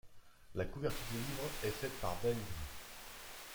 La couverture des livres est faite par Bengrrr.